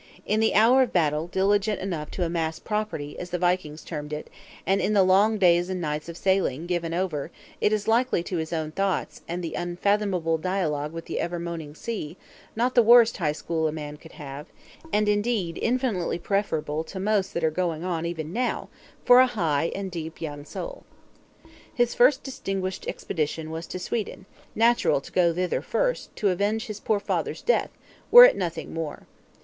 In the hour of battle, diligent enough "to amass property," as the Vikings termed it; and in the long days and nights of sailing, given over, it is likely, to his own thoughts and the unfathomable dialogue with the ever moaning Sea; not the worst High School a man could have, and indeed infinitely preferable to the most that are going even now, for a high and deep young soul. His first distinguished expedition was to Sweden: natural to go thither first, to avenge his poor father's death, were it nothing more.